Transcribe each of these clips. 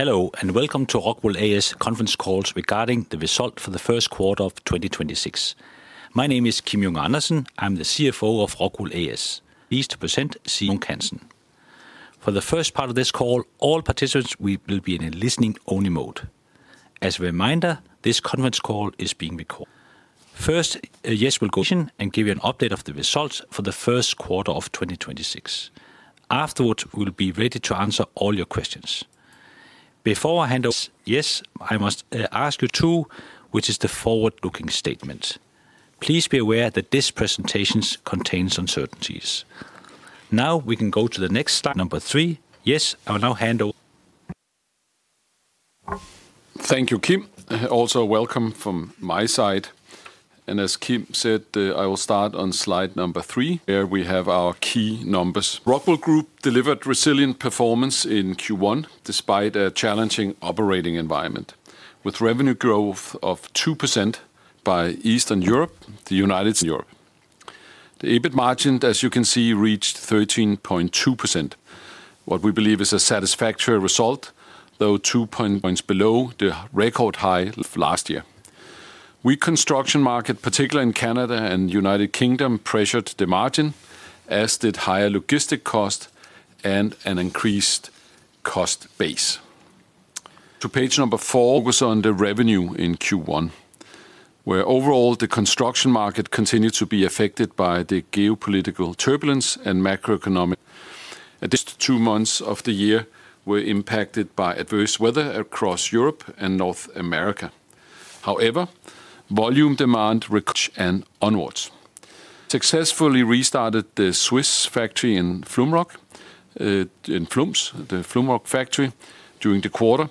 Hello and welcome to ROCKWOOL A/S conference calls regarding the result for the first quarter of 2026. My name is Kim Junge Andersen. I am the CFO of ROCKWOOL A/S, pleased to present Jes Munk Hansen. For the first part of this call, all participants will be in a listening-only mode. As a reminder, this conference call is being recorded. First, Jes will go in and give you an update of the results for the first quarter of 2026. Afterwards, we will be ready to answer all your questions. Jes, I must ask you to, which is the forward-looking statement. Please be aware that this presentation contains uncertainties. Now we can go to the next slide, number three. Jes, I will now hand over. Thank you, Kim. Also, welcome from my side. As Kim said, I will start on slide three, where we have our key numbers. ROCKWOOL Group delivered resilient performance in Q1 despite a challenging operating environment, with revenue growth of 2% by Eastern Europe, the U.S. and Europe. The EBIT margin, as you can see, reached 13.2%, what we believe is a satisfactory result, though two points below the record high of last year. Weak construction market, particularly in Canada and the U.K., pressured the margin, as did higher logistics costs and an increased cost base. To Page four, focus on the revenue in Q1, where overall, the construction market continued to be affected by the geopolitical turbulence. The first two months of the year were impacted by adverse weather across Europe and North America. Volume demand recovered and onwards. Successfully restarted the Swiss factory in Flums, the Flumroc factory during the quarter,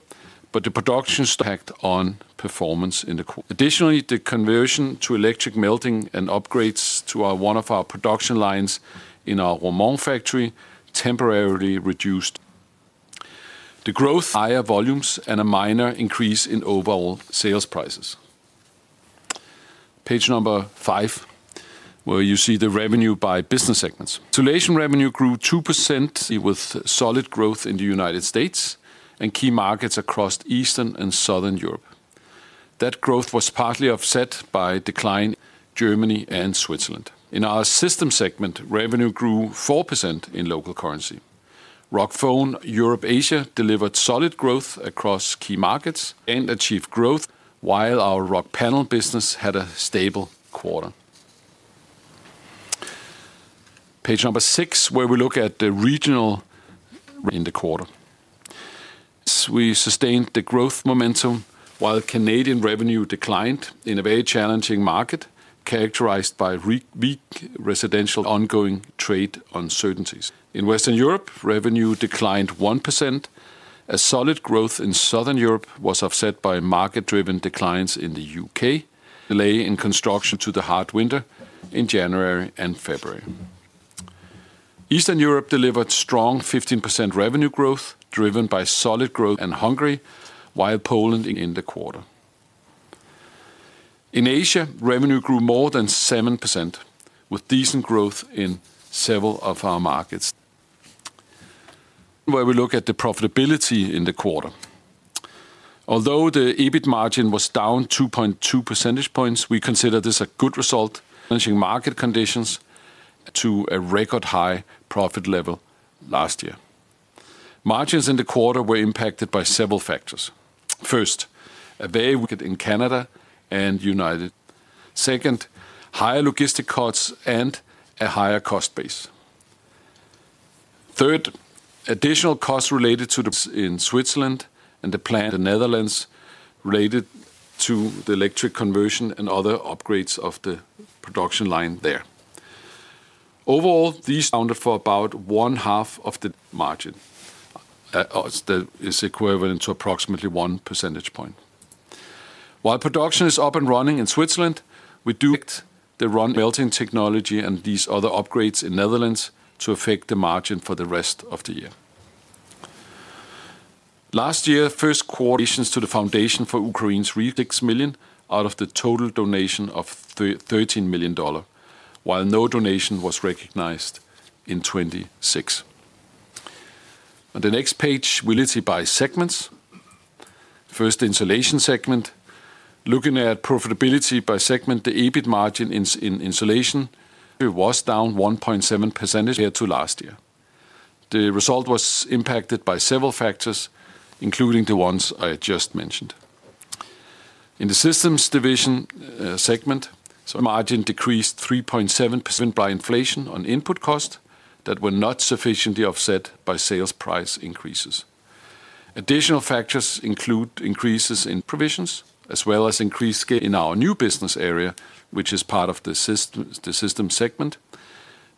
but the production stacked on performance in the quarter. Additionally, the conversion to electric melting and upgrades to one of our production lines in our Roermond factory temporarily reduced the growth, higher volumes and a minor increase in overall sales prices. Page five, where you see the revenue by business segments. Insulation revenue grew 2% with solid growth in the U.S. and key markets across Eastern and Southern Europe. That growth was partly offset by decline in Germany and Switzerland. In our Systems segment, revenue grew 4% in local currency. ROCKWOOL Europe Asia delivered solid growth across key markets and achieved growth while our Rockpanel business had a stable quarter. Page six, where we look at the regional in the quarter. We sustained the growth momentum while Canadian revenue declined in a very challenging market characterized by weak residential ongoing trade uncertainties. In Western Europe, revenue declined 1%. Solid growth in Southern Europe was offset by market-driven declines in the U.K., delay in construction to the hard winter in January and February. Eastern Europe delivered strong 15% revenue growth, driven by solid growth in Romania and Hungary, while Poland in the quarter. In Asia, revenue grew more than 7%, with decent growth in several of our markets, where we look at the profitability in the quarter. Although the EBIT margin was down 2.2 percentage points, we consider this a good result, managing market conditions to a record-high profit level last year. Margins in the quarter were impacted by several factors. First, in Canada and United. Second, higher logistic costs and a higher cost base. Third, additional costs related to in Switzerland and the plant in the Netherlands related to the electric conversion and other upgrades of the production line there. Overall, these accounted for about 1.5% of the margin. That is equivalent to approximately 1 percentage point. While production is up and running in Switzerland, we do expect the run-on melting technology and these other upgrades in the Netherlands to affect the margin for the rest of the year. Last year, first quarter donations to the Foundation for Ukraine reached $6 million out of the total donation of $13 million, while no donation was recognized in 2026. On the next page, we'll see by segments. First, the Insulation segment. Looking at profitability by segment, the EBIT margin in Insulation was down 1.7% compared to last year. The result was impacted by several factors, including the ones I just mentioned. In the Systems Division segment, margin decreased 3.7% by inflation on input costs that were not sufficiently offset by sales price increases. Additional factors include increases in provisions as well as increased scale in our new business area, which is part of the Systems segment.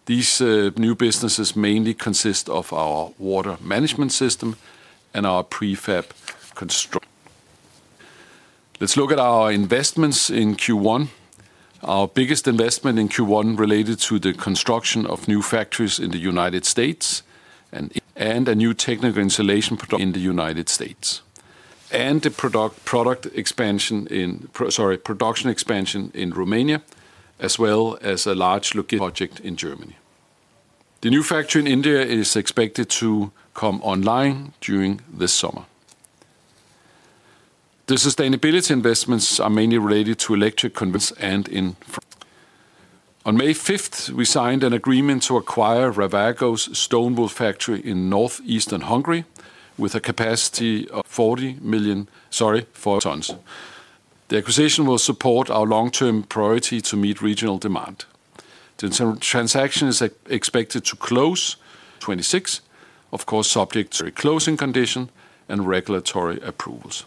These new businesses mainly consist of our water management system and our prefab construction. Let's look at our investments in Q1. Our biggest investment in Q1 related to the construction of new factories in the U.S. A new technical installation in the U.S. and the production expansion in Romania as well as a large looking project in Germany. The new factory in India is expected to come online during this summer. The sustainability investments are mainly related to electric conversion and on May 5th, we signed an agreement to acquire Ravago's stone wool factory in northeastern Hungary with a capacity of 40,000 tons. The acquisition will support our long-term priority to meet regional demand. The transaction is expected to close on May 26th, of course, subject to closing conditions and regulatory approvals.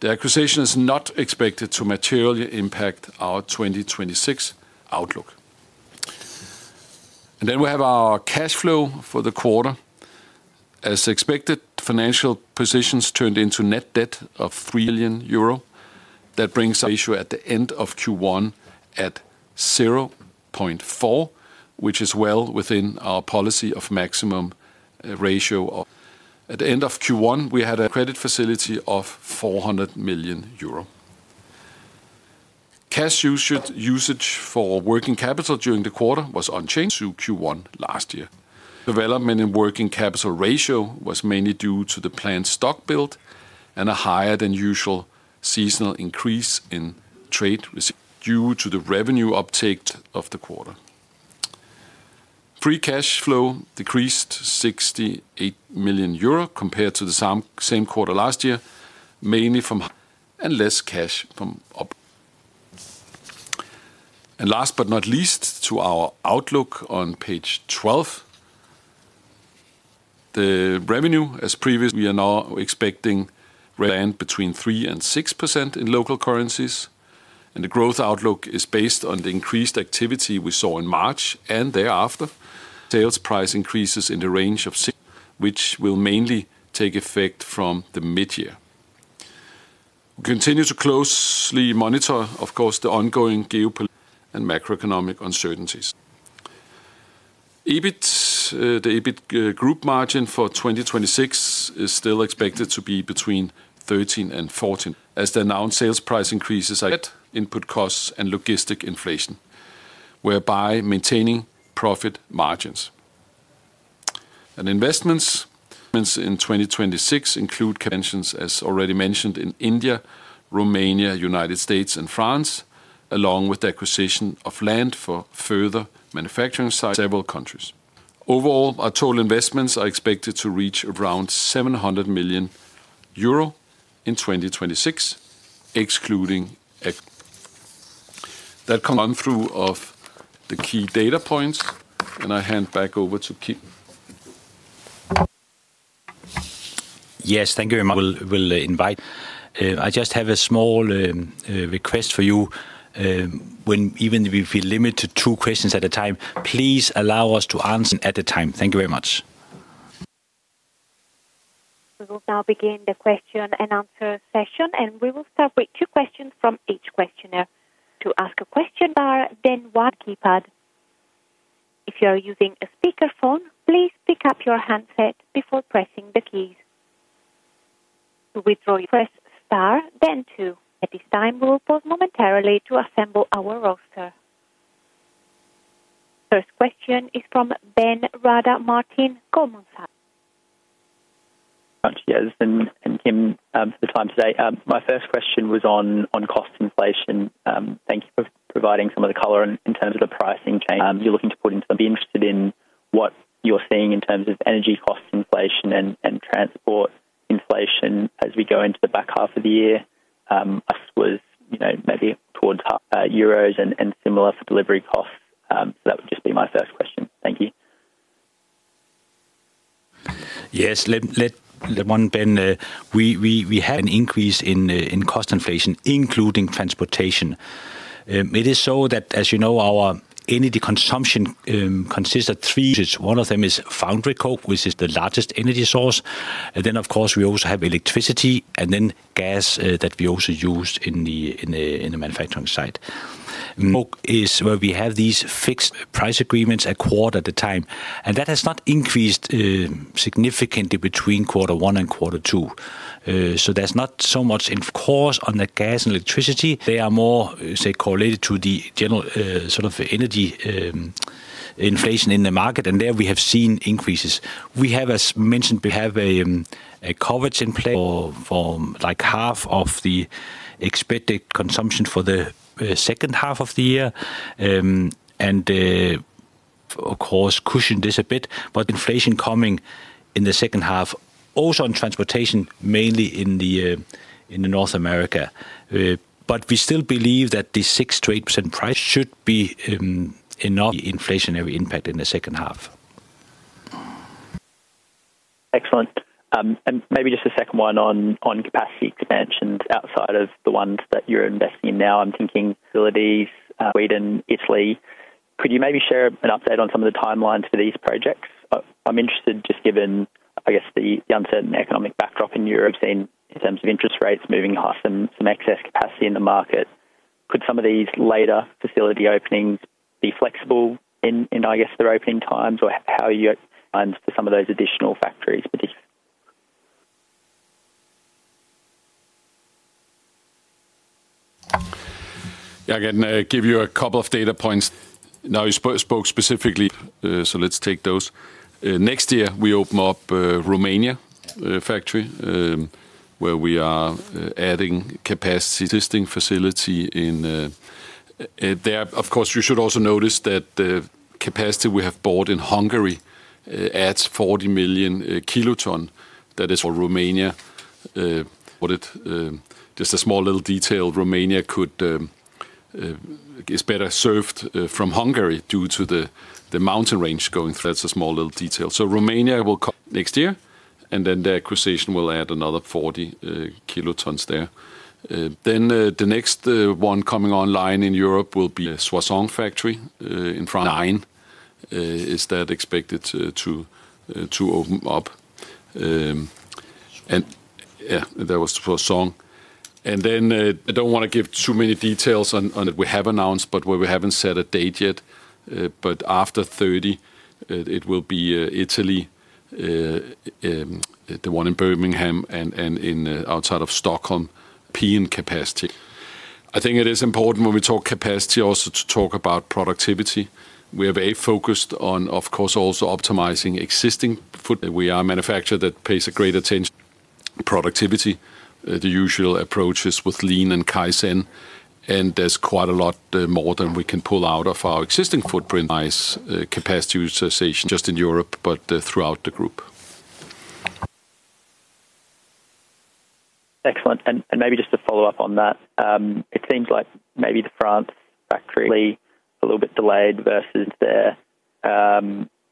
The acquisition is not expected to materially impact our 2026 outlook. We have our cash flow for the quarter. As expected, financial positions turned into net debt of 3 billion euro. That brings our ratio at the end of Q1 at 0.4, which is well within our policy of maximum ratio. At the end of Q1, we had a credit facility of 400 million euro. Cash usage for working capital during the quarter was unchanged to Q1 last year. Development in working capital ratio was mainly due to the planned stock build and a higher than usual seasonal increase in trade receivables due to the revenue uptake of the quarter. Free cash flow decreased 68 million euro compared to the same quarter last year. Last but not least, to our outlook on Page 12. The revenue, as previously, we are now expecting between 3% and 6% in local currencies. The growth outlook is based on the increased activity we saw in March and thereafter, sales price increases in the range of which will mainly take effect from the midyear. We continue to closely monitor, of course, the ongoing geopolitical and macroeconomic uncertainties. EBIT, the EBIT group margin for 2026 is still expected to be between 13% and 14%, as the announced sales price increases are net input costs and logistic inflation, whereby maintaining profit margins. Investments in 2026 include expansions, as already mentioned, in India, Romania, United States, and France, along with the acquisition of land for further manufacturing sites in several countries. Overall, our total investments are expected to reach around 700 million euro in 2026. I hand back over to Kim Junge Andersen. Yes, thank you very much, will invite. I just have a small request for you. When even if we limit to two questions at a time, please allow us to answer at a time. Thank you very much. We will now begin the question and answer session, and we will start with two questions from each questioner. To ask a question, dial star then one keypad. If you are using a speaker phone, please pick up your Handset before pressing the key. To withdraw your quest, press star then two. At this time we will pause momentarily to assemble our roster. First question is from Ben Rada Martin, Goldman Sachs. Thank you very much, Jes and Kim, for the time today. My first question was on cost inflation. Thank you for providing some of the color in terms of the pricing change you're looking to put in. I'd be interested in what you're seeing in terms of energy cost inflation and transport inflation as we go into the back half of the year. I suppose, maybe towards EUR 5 and similar for delivery costs. That would just be my first question. Thank you. We have an increase in cost inflation, including transportation. It is so that, as you know, our energy consumption consists of three. One of them is foundry coke, which is the largest energy source. Of course, we also have electricity and gas that we also use in the manufacturing side. Coke is where we have these fixed price agreements a quarter at a time. That has not increased significantly between quarter one and quarter two. There's not so much, of course, on the gas and electricity. They are more, say, correlated to the general sort of energy inflation in the market. There, we have seen increases. We have, as mentioned, we have a coverage in place for like half of the expected consumption for the second half of the year and, of course, cushion this a bit. Inflation coming in the second half also on transportation, mainly in the North America. We still believe that the 6%-8% price should be enough inflationary impact in the second half. Excellent. Maybe just a second one on capacity expansions outside of the ones that you're investing in now. I'm thinking facilities, Sweden, Italy. Could you maybe share an update on some of the timelines for these projects? I'm interested, just given, I guess, the uncertain economic backdrop in Europe, seeing in terms of interest rates moving higher, some excess capacity in the market. Could some of these later facility openings be flexible in, I guess, their opening times? How are you planning for some of those additional factories? I'll give you a couple of data points. You spoke specifically, let's take those. Next year, we open up Romania factory. Where we are adding capacity, existing facility there, of course, you should also notice that the capacity we have bought in Hungary adds 40 million kilotons. That is for Romania. Just a small little detail, Romania is better served from Hungary due to the mountain range going through. That's a small little detail. Romania will next year. The acquisition will add another 40 kt there. The next one coming online in Europe will be the Soissons factory in France. 2019 is that expected to open up. And— Yeah, that was Soissons. I don't want to give too many details on what we have announced, but where we haven't set a date yet. After 2030, it will be Italy, the one in Birmingham and outside of Stockholm, peaking capacity. I think it is important when we talk capacity also to talk about productivity. We are very focused on, of course, also optimizing existing. We are a manufacturer that pays great attention to productivity. The usual approaches with lean and kaizen. There's quite a lot more than we can pull out of our existing footprint, capacity utilization, just in Europe but throughout the group. Excellent. Maybe just to follow up on that, it seems like maybe the France factory a little bit delayed versus there.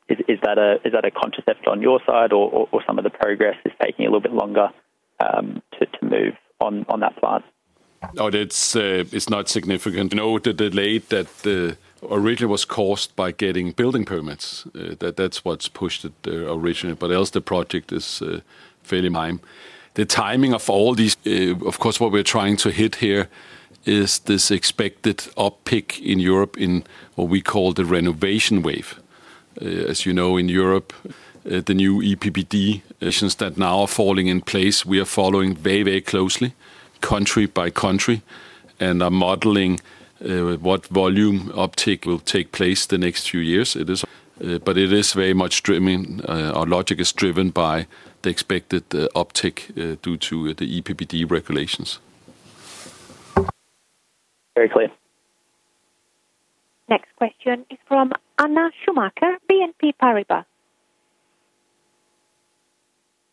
Is that a conscious effort on your side or some of the progress is taking a little bit longer to move on that plant? It's not significant. The delay that originally was caused by getting building permits, that's what's pushed it originally. Else, the project is fairly on time. Of course, what we're trying to hit here is this expected uptick in Europe in what we call the renovation wave. As you know, in Europe, the new EPBD issues that now are falling in place, we are following very, very closely, country by country, and are modeling what volume uptake will take place the next few years. Our logic is driven by the expected uptake due to the EPBD regulations. Very clear. Next question is from Anna Schumacher, BNP Paribas.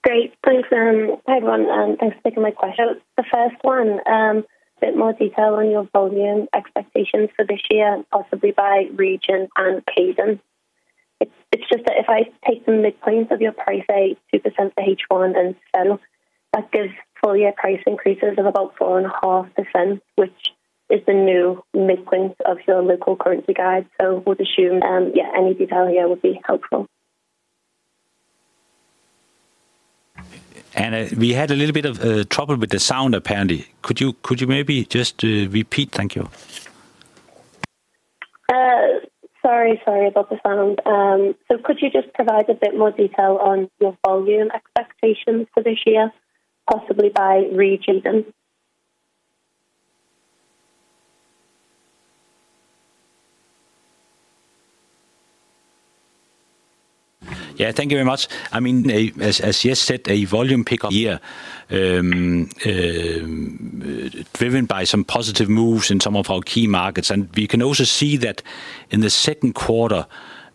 Great. Thanks. Hi, everyone. Thanks for taking my question. The first one, a bit more detail on your volume expectations for this year, possibly by region and occasion. It's just that if I take the midpoints of your price, say, 2% for first half and so, that gives full-year price increases of about 4.5%, which is the new midpoint of your local currency guide. I would assume, yeah, any detail here would be helpful. Anna, we had a little bit of trouble with the sound apparently. Could you maybe just repeat? Thank you. Sorry about the sound. Could you just provide a bit more detail on your volume expectations for this year? Possibly by region? Yes, thank you very much. I mean, as Jes said, a volume pickup here driven by some positive moves in some of our key markets. We can also see that in the second quarter,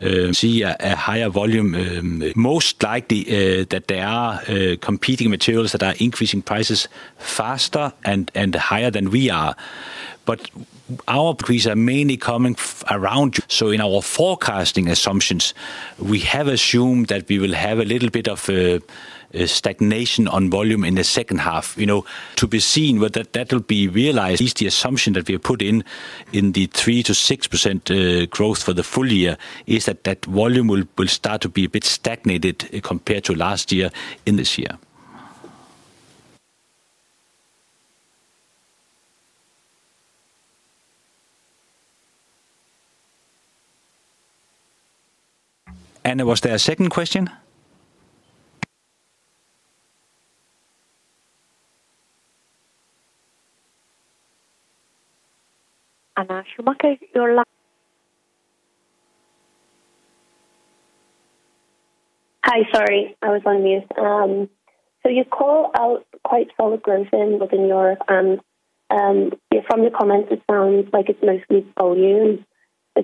we see a higher volume. Most likely that there are competing materials that are increasing prices faster and higher than we are. Our increase are mainly coming around. So in our forecasting assumptions, we have assumed that we will have a little bit of stagnation on volume in the second half. To be seen whether that will be realized is the assumption that we have put in the 3%-6% growth for the full year is that volume will start to be a bit stagnated compared to last year in this year. Anna, was there a second question? Hi, sorry, I was on mute. You call out quite solid growth in Northern Europe, and from your comments, it sounds like it's mostly volume.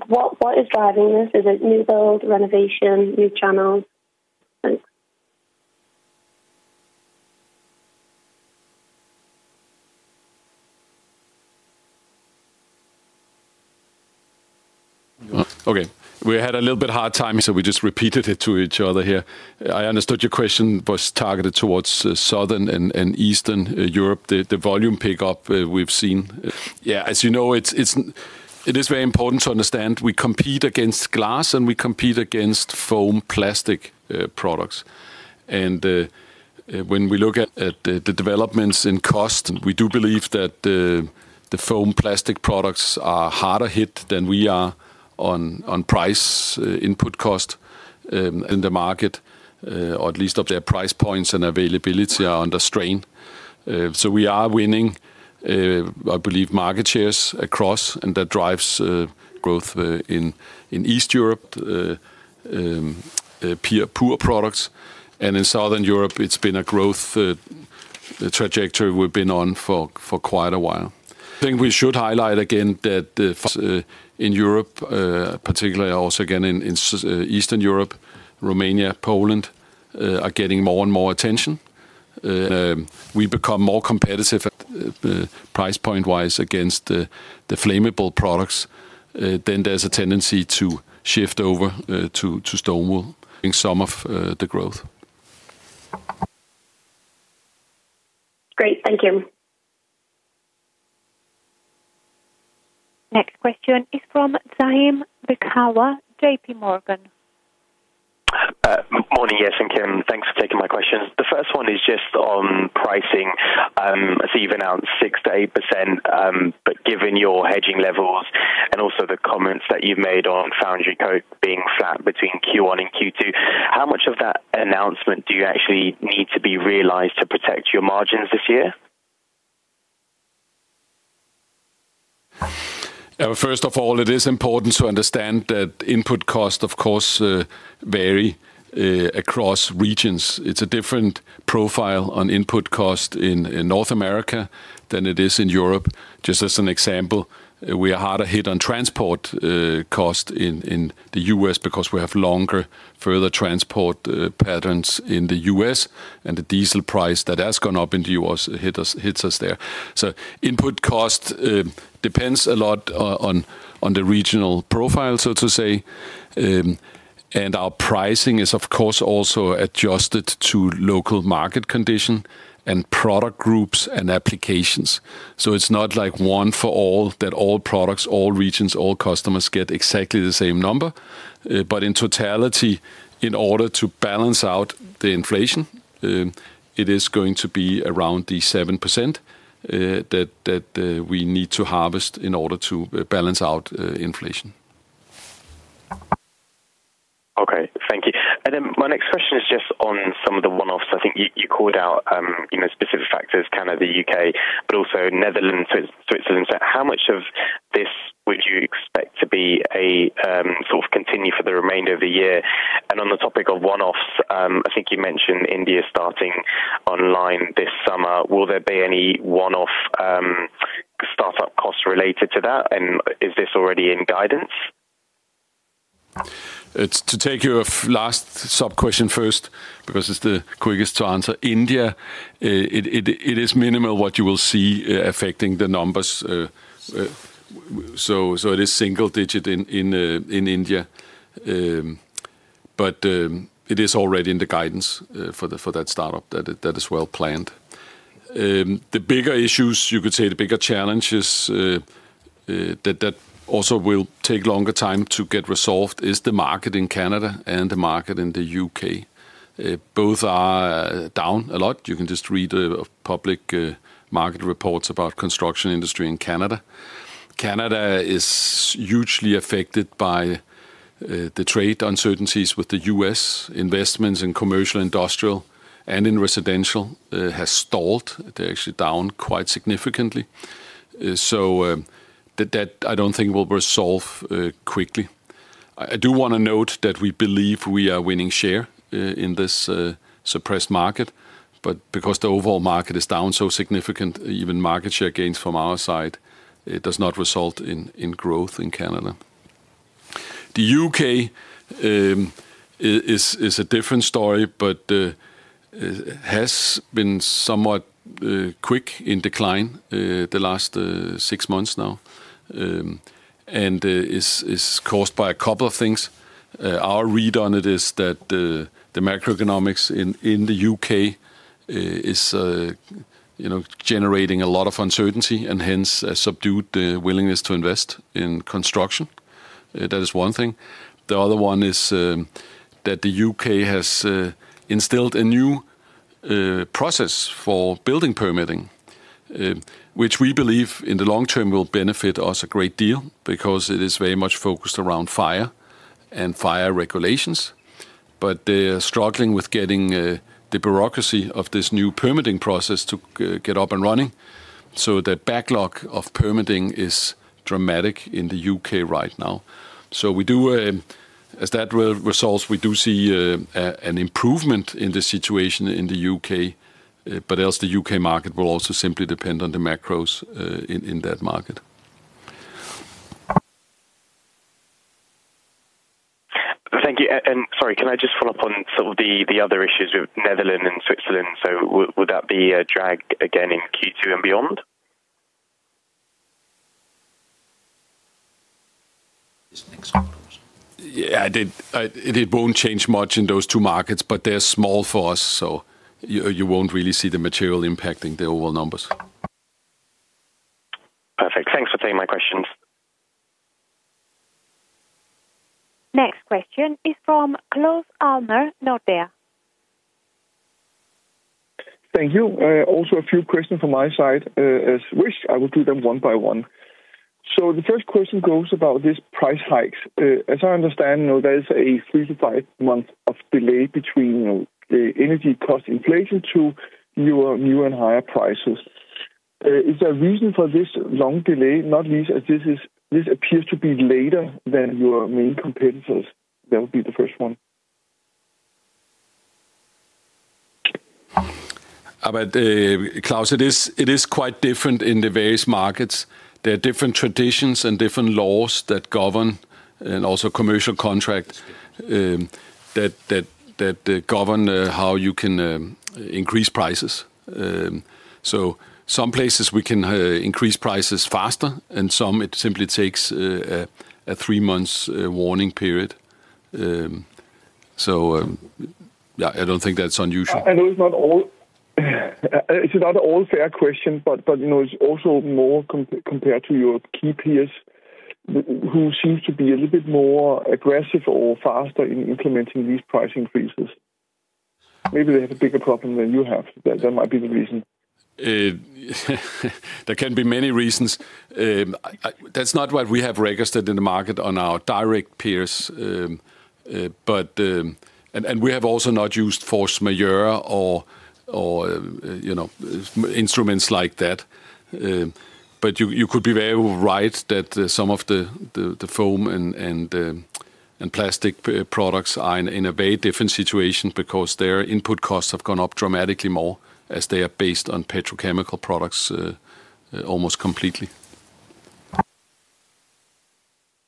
What is driving this? Is it new build, renovation, new channels? Thanks. Okay. We had a little bit hard time. We just repeated it to each other here. I understood your question was targeted towards Southern and Eastern Europe, the volume pickup we've seen. Yeah, as you know, it is very important to understand we compete against glass. We compete against foam plastic products. When we look at the developments in cost, we do believe that the foam plastic products are harder hit than we are on price input cost in the market, or at least of their price points and availability are under strain. We are winning, I believe, market shares across, and that drives growth in East Europe, pure products. In Southern Europe, it's been a growth the trajectory we've been on for quite a while. I think we should highlight again that in Europe, particularly also again in Eastern Europe, Romania, Poland are getting more and more attention. We become more competitive price point-wise against the flammable products, then there's a tendency to shift over to stone wool. Some of the growth. Great. Thank you. Next question is from Zaim Beekawa, JPMorgan. Morning, Jes and Kim. Thanks for taking my questions. The first one is just on pricing. I see you've announced 6%-8%, but given your hedging levels and also the comments that you've made on foundry coke, being flat between Q1 and Q2. How much of that announcement do you actually need to be realized to protect your margins this year? First of all, it is important to understand that input costs, of course, vary across regions. It's a different profile on input cost in North America than it is in Europe, just as an example. We are harder hit on transport cost in the U.S. because we have longer, further transport patterns in the U.S. The diesel price that has gone up in the U.S. hits us there. Input cost depends a lot on the regional profile, so to say. Our pricing is, of course, also adjusted to local market condition and product groups and applications. It's not like one for all that all products, all regions, all must get exactly the same number. In totality, in order to balance out the inflation, it is going to be around the 7% that we need to harvest in order to balance out inflation. Okay. Thank you. My next question is just on some of the one-offs. I think you called out specific factors, Canada, U.K., but also Netherlands, Switzerland. How much of this would you expect to be a sort of for the remainder of the year? On the topic of one-offs, I think you mentioned India starting online this summer. Will there be any one-off startup costs related to that? Is this already in guidance? To take your last sub-question first because it's the quickest to answer. India, it is minimal what you will see affecting the numbers. It is single digit in India. It is already in the guidance for that startup that is well planned. The bigger issues, you could say, the bigger challenges that also will take longer time to get resolved is the market in Canada and the market in the U.K. Both are down a lot. You can just read public market reports about construction industry in Canada. Canada is hugely affected by the trade uncertainties with the U.S. Investments in commercial industrial and in residential has stalled. They're actually down quite significantly. That, I don't think, will resolve quickly. I do want to note that we believe we are winning share in this suppressed market. Because the overall market is down so significant, even market share gains from our side, it does not result in growth in Canada. The U.K. is a different story but has been somewhat quick in decline the last six months now and is caused by a couple of things. Our read on it is that the macroeconomics in the U.K. is generating a lot of uncertainty and hence subdued willingness to invest in construction. That is one thing. The other one is that the U.K. has instilled a new process for building permitting, which we believe in the long term will benefit us a great deal. Because it is very much focused around fire and fire regulations. They're struggling with getting the bureaucracy of this new permitting process to get up and running. The backlog of permitting is dramatic in the U.K. right now. As that resolves, we do see an improvement in the situation in the U.K. Else, the U.K. market will also simply depend on the macros in that market. Thank you. Sorry, can I just follow up on sort of the other issues with Netherlands and Switzerland? Would that be a drag again in Q2 and beyond? It won't change much in those two markets, but they're small for us. You won't really see the material impact in the overall numbers. Perfect. Thanks for taking my questions. Next question is from Claus Almer, Nordea. Thank you. A few questions from my side, as wished. I will do them one by one. The first question goes about these price hikes. As I understand, there is a three to five months of delay between the energy cost inflation to new and higher prices. Is there a reason for this long delay, not least as this appears to be later than your main competitors? That would be the first one. Claus, it is quite different in the various markets. There are different traditions and different laws that govern and also commercial contracts. That govern how you can increase prices. Some places we can increase prices faster and some it simply takes a three-month warning period. I don't think that's unusual. I know it's not all fair question. It's also more compared to your key peers who seem to be a little bit more aggressive or faster in implementing these price increases. Maybe they have a bigger problem than you have. That might be the reason. There can be many reasons. That's not what we have registered in the market on our direct peers. We have also not used force majeure or instruments like that. You could be very right that some of the foam and plastic products are in a very different situation because their input costs have gone up dramatically more as they are based on petrochemical products almost completely.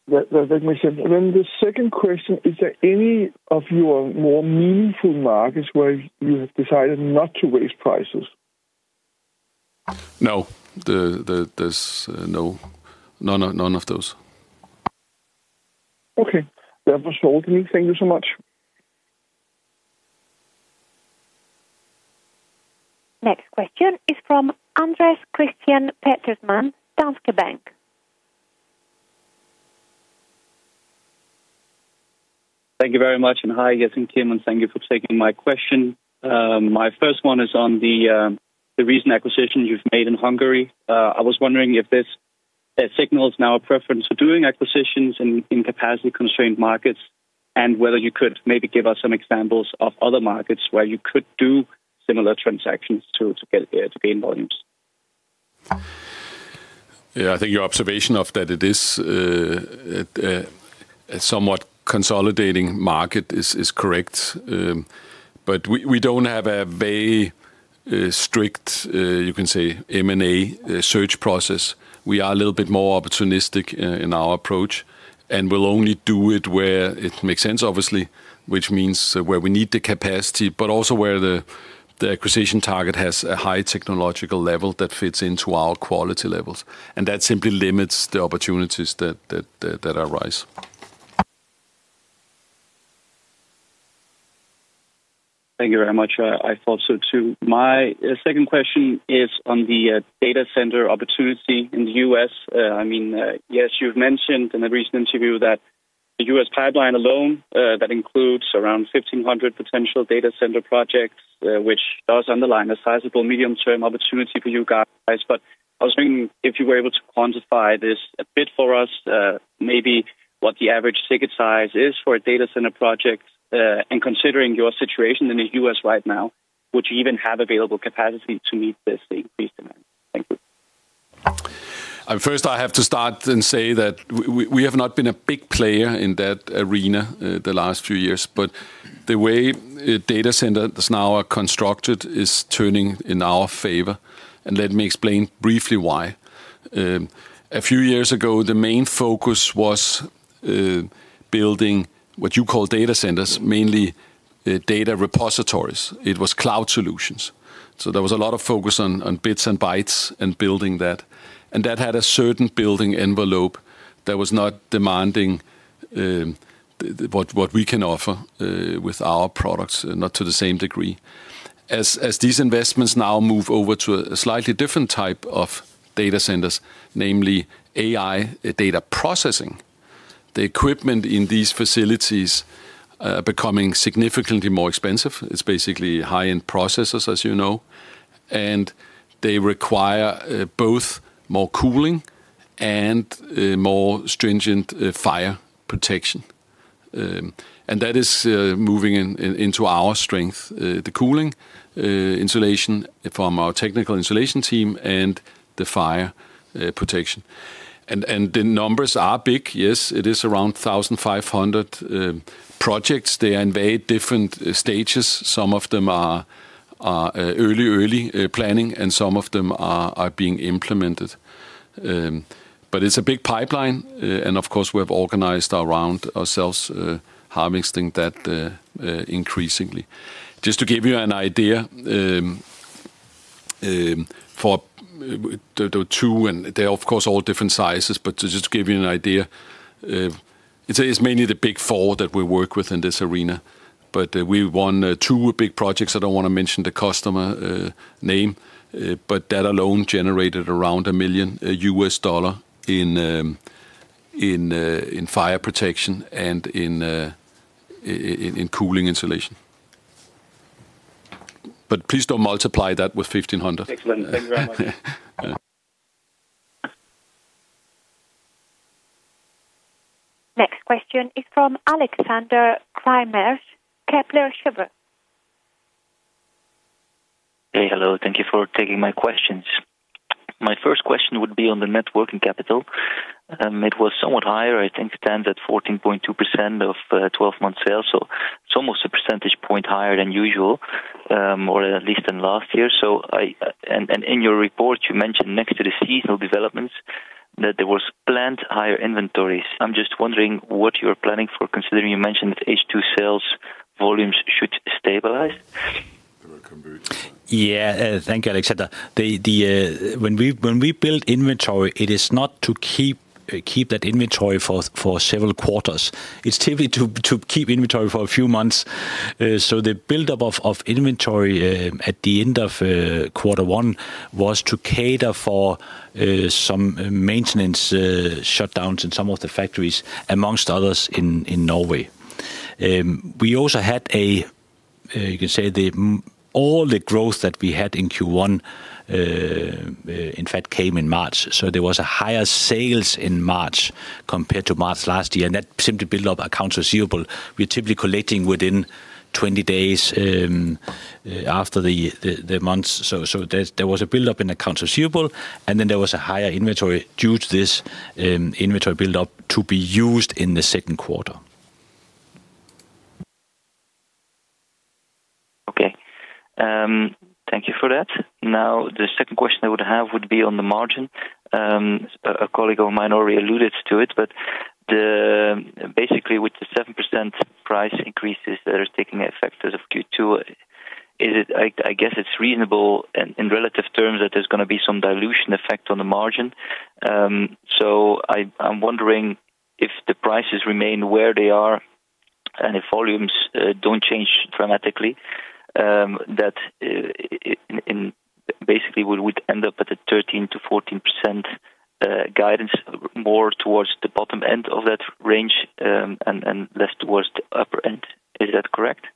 That makes sense. The second question, is there any of your more meaningful markets where you have decided not to raise prices? No, no, none of those. Okay. That was all for me. Thank you so much. Next question is from Anders Christian Preetzmann, Danske Bank. Thank you very much. Hi, Jes and Kim, thank you for taking my question. My first one is on the recent acquisition you've made in Hungary. I was wondering if this signals now a preference for doing acquisitions in capacity-constrained markets and whether you could maybe give us some examples of other markets where you could do similar transactions to gain volumes. I think your observation of that it is a somewhat consolidating market is correct. We don't have a very strict, you can say, M&A search process. We are a little bit more opportunistic in our approach and will only do it where it makes sense, obviously, which means where we need the capacity, but also where the acquisition target has a high technological level that fits into our quality levels. That simply limits the opportunities that arise. Thank you very much. I thought so too. My second question is on the data center opportunity in the U.S. I mean, yes, you've mentioned in a recent interview that the U.S. pipeline alone, that includes around 1,500 potential data center projects, which does underline a sizable medium-term opportunity for you guys. I was wondering if you were able to quantify this a bit for us. Maybe what the average ticket size is for a data center project? Considering your situation in the U.S. right now, would you even have available capacity to meet this increased demand? Thank you. First, I have to start and say that we have not been a big player in that arena the last few years. The way data centers now are constructed is turning in our favor. Let me explain briefly why. A few years ago, the main focus was building what you call data centers, mainly data repositories. It was cloud solutions. There was a lot of focus on bits and bytes and building that. That had a certain building envelope that was not demanding what we can offer with our products, not to the same degree. As these investments now move over to a slightly different type of data centers, namely AI data processing. The equipment in these facilities becoming significantly more expensive. It's basically high-end processors, as you know. They require both more cooling and more stringent fire protection. That is moving into our strength, the cooling insulation from our technical insulation team and the fire protection. The numbers are big, yes. It is around 1,500 projects. They are in very different stages. Some of them are early planning, and some of them are being implemented. It's a big pipeline. Of course, we have organized around ourselves harvesting that increasingly. Just to give you an idea, and they're, of course, all different sizes, but just to give you an idea, it's mainly the big four that we work with in this arena. We won two big projects. I don't want to mention the customer name, but that alone generated around $1 million in fire protection and in cooling insulation. Please don't multiply that with 1,500. Next question is from Alexander Craeymeersch, Kepler Cheuvreux. Hello, thank you for taking my questions. My first question would be on the net working capital. It was somewhat higher, I think, stands at 14.2% of 12-month sales. It's almost a percentage point higher than usual or at least than last year. In your report, you mentioned next to the seasonal developments that there was planned higher inventories. I'm just wondering what you're planning for considering you mentioned that second half sales volumes should stabilize? Yes. Thank you, Alexander. When we build inventory, it is not to keep that inventory for several quarters. It is typically to keep inventory for a few months. The buildup of inventory at the end of Q1 was to cater for some maintenance shutdowns in some of the factories, amongst others, in Norway. We also had all the growth that we had in Q1, in fact, came in March. There was higher sales in March compared to March last year, and that simply built up accounts receivable. We are typically collecting within 20 days after the month. There was a buildup in accounts receivable, and then there was a higher inventory due to this inventory buildup to be used in the second quarter. Okay. Thank you for that. The second question I would have would be on the margin. A colleague of mine already alluded to it. Basically with the 7% price increases that are taking effect as of Q2, I guess it's reasonable in relative terms that there's going to be some dilution effect on the margin. I'm wondering if the prices remain where they are and if volumes don't change dramatically, that basically we would end up at the 13%-14% guidance more towards the bottom end of that range and less towards the upper end. Is that correct?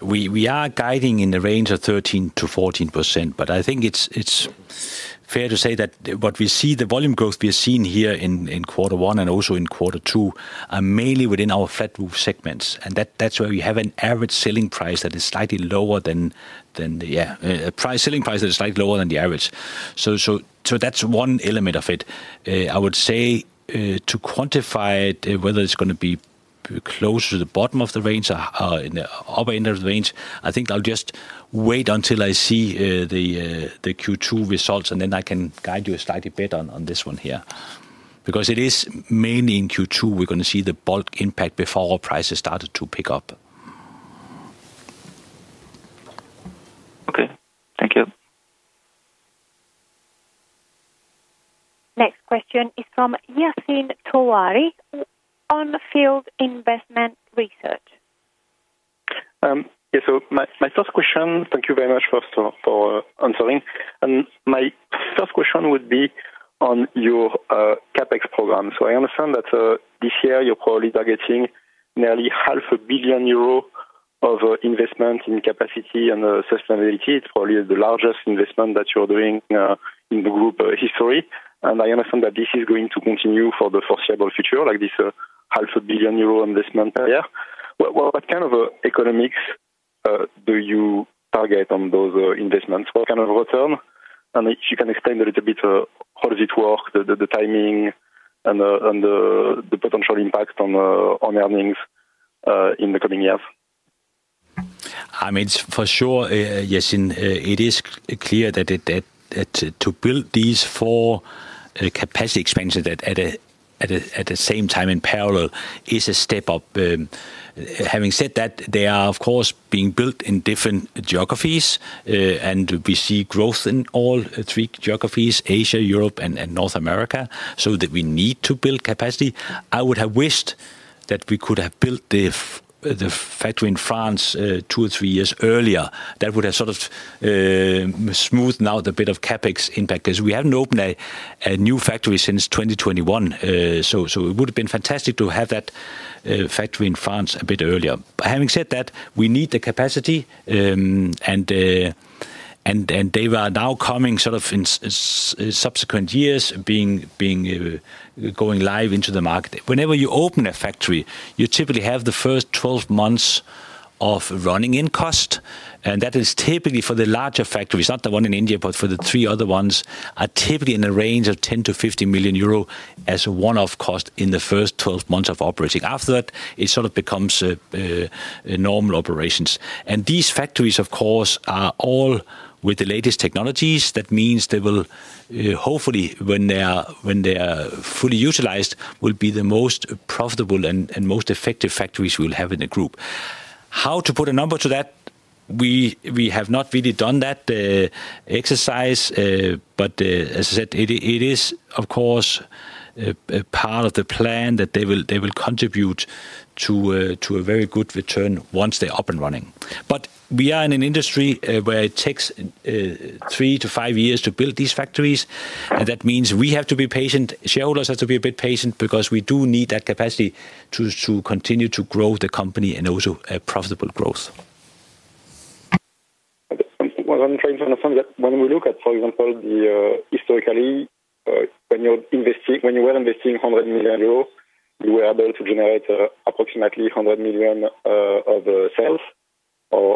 We are guiding in the range of 13%-14%, but I think it's fair to say that what we see, the volume growth we have seen here in quarter one also in quarter two are mainly within our flat roof segments. That's where we have an average selling price that is slightly lower than a selling price that is slightly lower than the average. That's one element of it. I would say to quantify whether it's going to be close to the bottom of the range or in the upper end of the range, I think I'll just wait until I see the Q2 results, and then I can guide you slightly better on this one here. It is mainly in Q2 we're going to see the bulk impact before prices started to pick up. Okay. Thank you. Next question is from Yassine Touahri, On Field Investment Research. Yes. My first question, thank you very much for answering. My first question would be on your CapEx program. I understand that this year you're probably targeting nearly 500 million euro of investment in capacity and sustainability. It's probably the largest investment that you're doing in the group history. I understand that this is going to continue for the foreseeable future, like this 500 million euro investment per year. What kind of economics do you target on those investments? What kind of return? If you can explain a little bit how does it work, the timing and the potential impact on earnings in the coming years? I mean, for sure, Yassine, it is clear that to build these four capacity expansions at the same time in parallel is a step-up. Having said that, they are, of course, being built in different geographies. We see growth in all three geographies, Asia, Europe and North America, so that we need to build capacity. I would have wished that we could have built the factory in France two or three years earlier. That would have sort of smoothed out a bit of CapEx impact because we haven't opened a new factory since 2021. It would have been fantastic to have that factory in France a bit earlier. Having said that, we need the capacity. They are now coming sort of in subsequent years, going live into the market. Whenever you open a factory, you typically have the first 12 months of running-in cost. That is typically for the larger factories, not the one in India, but for the three other ones, are typically in the range of 10 million-50 million euro as a one-off cost in the first 12 months of operating. After that, it sort of becomes normal operations. These factories, of course, are all with the latest technologies. That means they will hopefully, when they are fully utilized, will be the most profitable and most effective factories we will have in the group. How to put a number to that? We have not really done that exercise. As I said, it is, of course, a part of the plan that they will contribute to a very good return once they're up and running. We are in an industry where it takes three to five years to build these factories. That means we have to be patient. Shareholders have to be a bit patient because we do need that capacity to continue to grow the company and also profitable growth. What I'm trying to understand, when we look at, for example, historically, when you were investing 100 million euros, you were able to generate approximately 100 million of sales.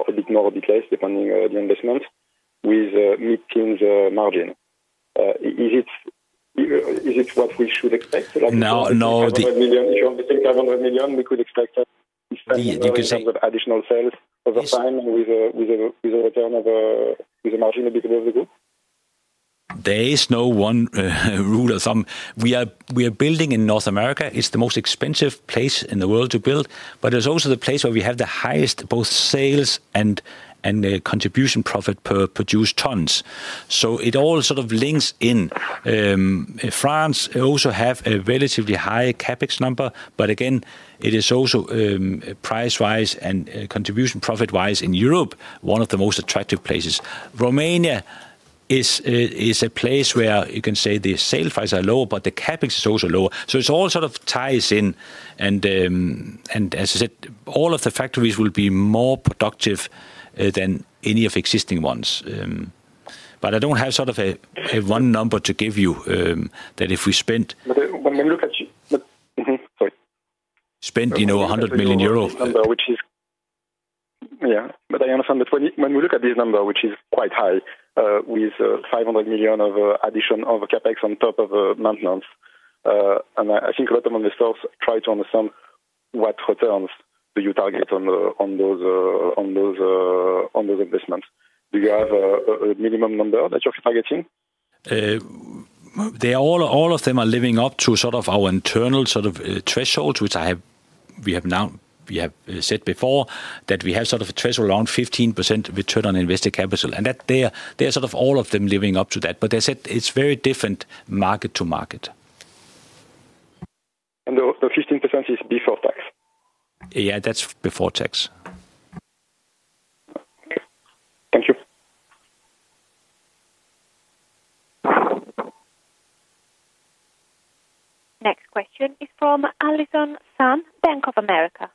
A bit more or a bit less depending on the investment with mid-teens margin. Is it what we should expect? If you're investing 500 million, we could expect additional sales over time with a return of a margin a bit above the group? There is no one rule of thumb. We are building in North America. It's the most expensive place in the world to build, but it's also the place where we have the highest both sales and contribution profit per produced tons. It all sort of links in. France also have a relatively high CapEx number. Again, it is also pricewise and contribution profit-wise in Europe, one of the most attractive places. Romania is a place where you can say the sales price are low, but the CapEx is also low. It all sort of ties in. As I said, all of the factories will be more productive than any of existing ones. I don't have sort of a one number to give you that if we spent EUR 100 million. Yeah. I understand that when we look at this number, which is quite high with 500 million of addition of CapEx on top of maintenance, and I think a lot of investors try to understand what returns do you target on those investments? Do you have a minimum number that you're targeting? All of them are living up to sort of our internal sort of thresholds, which we have said before that we have sort of a threshold around 15% return on invested capital. That they are sort of all of them living up to that. As I said, it's very different market to market. The 15% is before tax? Yeah, that's before tax. Thank you. Next question is from Allison Sun, Bank of America.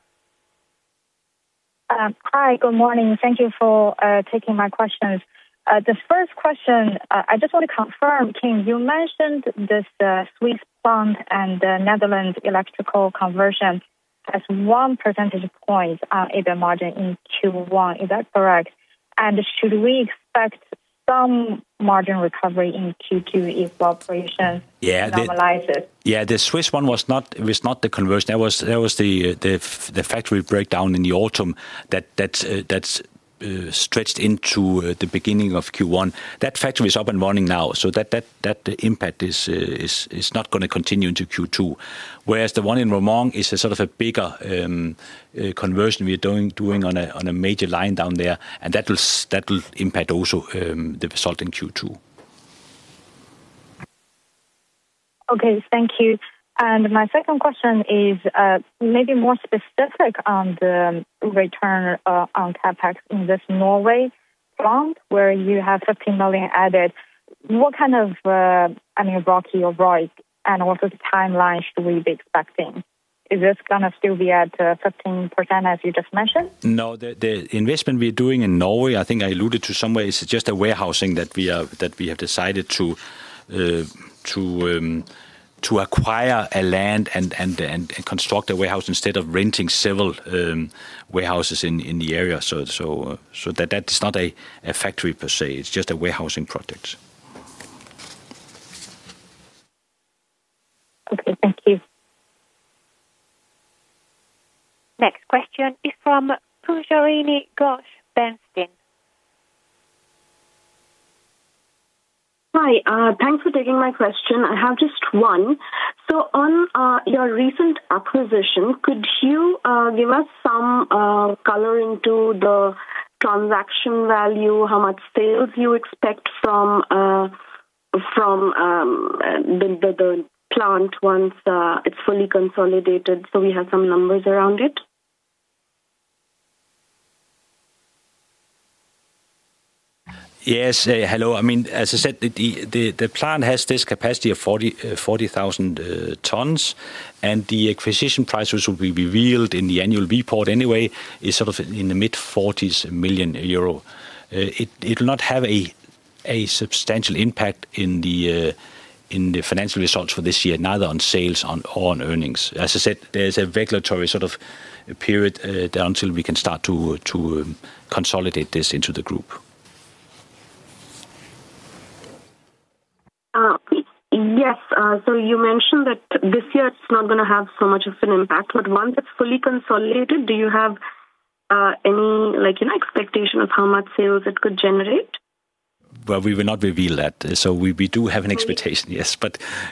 Hi, good morning. Thank you for taking my questions. The first question, I just want to confirm, Kim, you mentioned this sweet spot Flumroc and the Roermond electrical conversion as 1 percentage point on EBIT margin in Q1. Is that correct? Should we expect some margin recovery in Q2 if operations normalize? Yeah, the Swiss one was not the conversion. That was the factory breakdown in the autumn that stretched into the beginning of Q1. That factory is up and running now. That that impact is not going to continue into Q2, whereas the one in Roermond is sort of a bigger conversion we are doing on a major line down there, and that will impact also the result in Q2. Okay. Thank you. My second question is maybe more specific on the return on CapEx in this Norway front where you have 15 million added. What kind of I mean, ROCKWOOL, right? What is the timeline should we be expecting? Is this going to still be at 15% as you just mentioned? No. The investment we're doing in Norway, I think I alluded to somewhere, is just a warehousing that we have decided to acquire a land and construct a warehouse instead of renting several warehouses in the area. That is not a factory per se. It's just a warehousing project. Okay. Thank you. Next question is from Pujarini Ghosh, Bernstein. Hi. Thanks for taking my question. I have just one. On your recent acquisition, could you give us some coloring to the transaction value, how much sales you expect from the plant once it's fully consolidated so we have some numbers around it? Yes. Hello. I mean, as I said, the plant has this capacity of 40,000 tons. The acquisition price, which will be revealed in the annual report anyway, is sort of in the 45 million euro. It will not have a substantial impact in the financial results for this year, neither on sales or on earnings. As I said, there is a regulatory sort of period until we can start to consolidate this into the group. Yes. You mentioned that this year, it's not going to have so much of an impact. Once it's fully consolidated, do you have any expectation of how much sales it could generate? We will not reveal that. We do have an expectation, yes.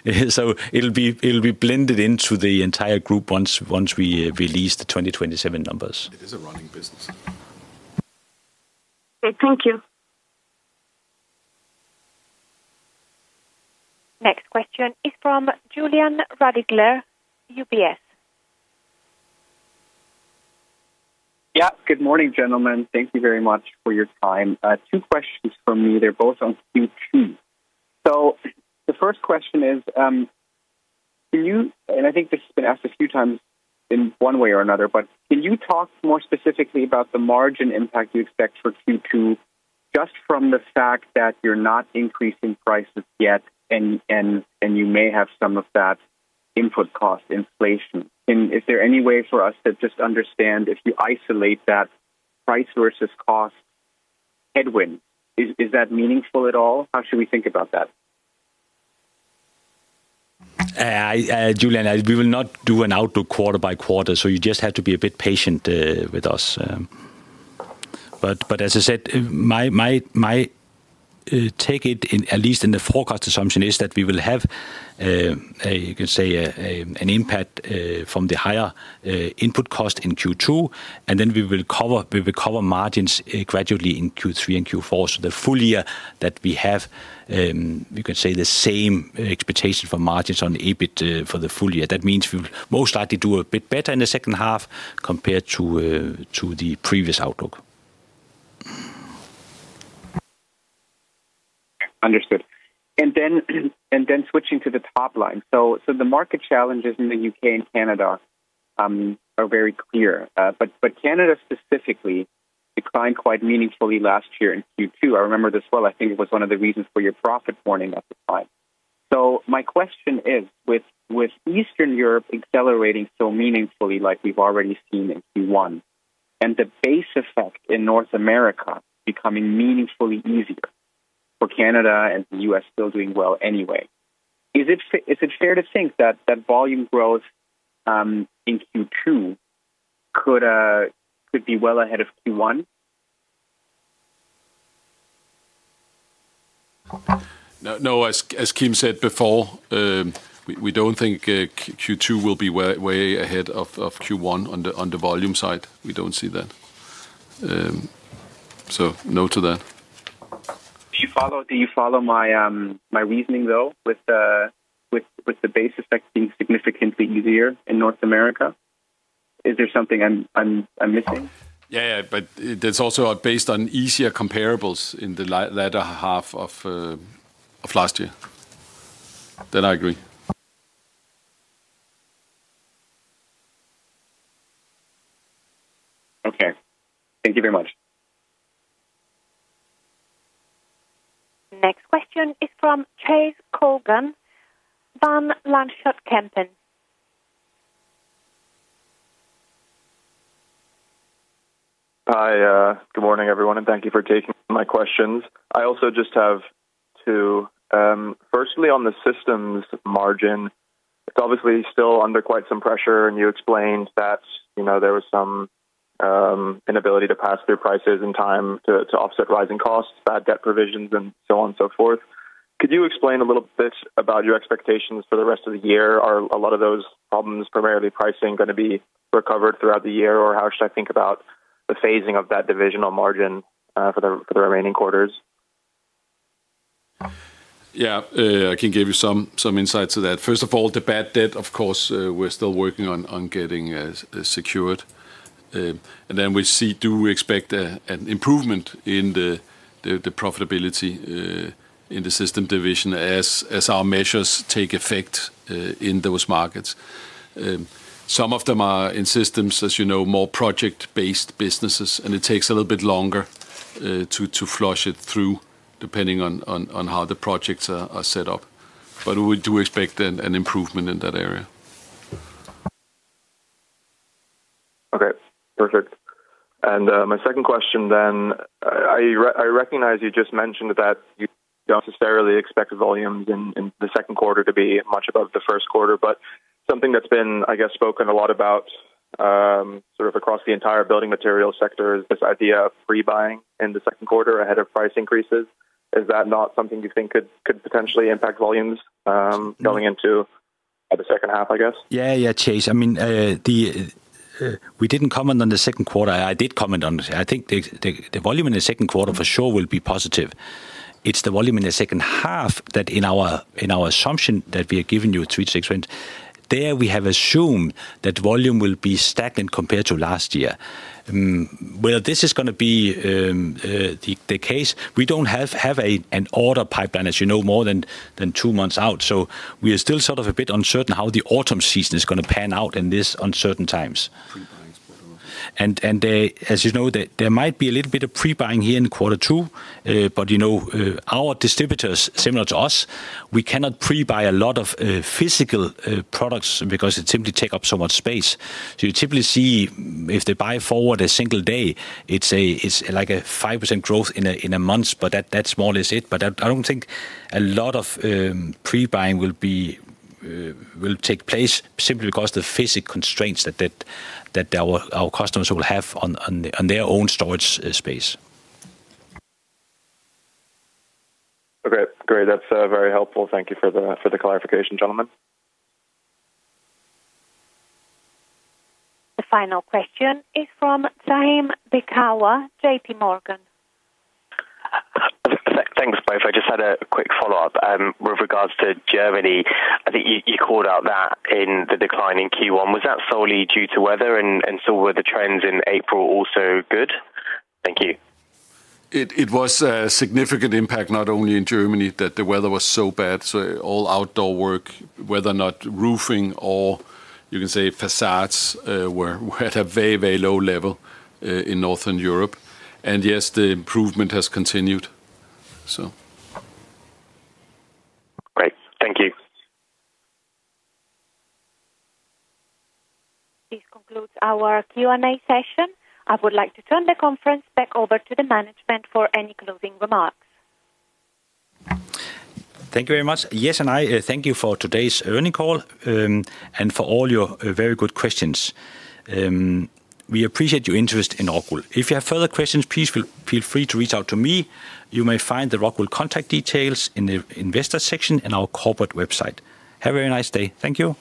It'll be blended into the entire group once we release the 2027 numbers. It is a running business. Okay. Thank you. Next question is from Julian Radlinger UBS. Yeah. Good morning, gentlemen. Thank you very much for your time. Two questions for me. They are both on Q2. The first question is, can you, and I think this has been asked a few times in one way or another, but can you talk more specifically about the margin impact you expect for Q2 just from the fact that you are not increasing prices yet and you may have some of that input cost inflation. Is there any way for us to just understand if you isolate that price versus cost headwind? Is that meaningful at all? How should we think about that? Julian, we will not do an outlook quarter by quarter. You just have to be a bit patient with us. As I said, my take it, at least in the forecast assumption, is that we will have, you can say, an impact from the higher input cost in Q2. Then we will cover margins gradually in Q3 and Q4. The full year that we have, you can say, the same expectation for margins on EBIT for the full year. That means we'll most likely do a bit better in the second half compared to the previous outlook. Understood. Switching to the top line. The market challenges in the U.K. and Canada are very clear. Canada specifically declined quite meaningfully last year in Q2. I remember this well. I think it was one of the reasons for your profit warning at the time. My question is, with Eastern Europe accelerating so meaningfully like we've already seen in Q1, and the base effect in North America becoming meaningfully easier for Canada and the U.S. still doing well anyway, is it fair to think that volume growth in Q2 could be well ahead of Q1? No, as Kim said before, we don't think Q2 will be way ahead of Q1 on the volume side. We don't see that. No to that. Do you follow my reasoning, though, with the base effect being significantly easier in North America? Is there something I'm missing? It's also based on easier comparables in the latter half of last year. I agree. Okay. Thank you very much. Next question is from Chase Coughlan, Van Lanschot Kempen. Hi. Good morning, everyone, and thank you for taking my questions. I also just have two. Firstly, on the Systems margin, it's obviously still under quite some pressure, and you explained that there was some inability to pass through prices in time to offset rising costs, bad debt provisions, and so on and so forth. Could you explain a little bit about your expectations for the rest of the year? Are a lot of those problems, primarily pricing, going to be recovered throughout the year? How should I think about the phasing of that divisional margin for the remaining quarters? Yes, I can give you some insights to that. First of all, the bad debt, of course, we're still working on getting secured. Do we expect an improvement in the profitability in the Systems division as our measures take effect in those markets? Some of them are in Systems, as you know, more project-based businesses, and it takes a little bit longer to flush it through depending on how the projects are set up. We do expect an improvement in that area. Okay, perfect. My second question then, I recognize you just mentioned that you don't necessarily expect volumes in the second quarter to be much above the first quarter. Something that's been, I guess, spoken a lot about sort of across the entire building materials sector is this idea of prebuying in the second quarter ahead of price increases. Is that not something you think could potentially impact volumes going into the second half, I guess? Yes, Chase. I mean, we didn't comment on the second quarter. I did comment on. I think the volume in the second quarter for sure will be positive. It's the volume in the second half that in our assumption that we have given you at 3.6%. There, we have assumed that volume will be stagnant compared to last year. Whether this is going to be the case, we don't have an order pipeline, as you know, more than two months out. We are still sort of a bit uncertain how the autumn season is going to pan out in this uncertain times. As you know, there might be a little bit of prebuying here in quarter two. Our distributors, similar to us, we cannot prebuy a lot of physical products because it simply takes up so much space. You typically see if they buy forward a single day, it's like a 5% growth in a month, but that's more or less it. I don't think a lot of pre-buying will take place simply because the physical constraints that our customers will have on their own storage space. Okay, great. That's very helpful. Thank you for the clarification, gentlemen. The final question is from Zaim Beekawa, JPMorgan. Thanks, both. I just had a quick follow-up with regards to Germany. I think you called out that in the decline in Q1, was that solely due to weather? Were the trends in April also good? Thank you. It was a significant impact not only in Germany that the weather was so bad. All outdoor work whether or not roofing or, you can say, facades were at a very, very low level in Northern Europe. Yes, the improvement has continued. Great. Thank you. This concludes our Q&A session. I would like to turn the conference back over to the management for any closing remarks. Thank you very much. Jes, I thank you for today's earnings call and for all your very good questions. We appreciate your interest in ROCKWOOL. If you have further questions, please feel free to reach out to me. You may find the ROCKWOOL contact details in the Investors section in our corporate website. Have a very nice day. Thank you.